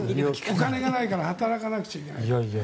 お金がないから働かなくちゃいけない。